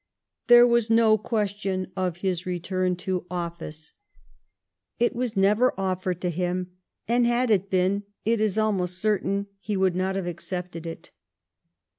There was no question of his return to office. It 102 LIFE OF PBINCE METTEFiNICE. was never ofFered to him, and, had it been, it is almost certain he would not have accepted it.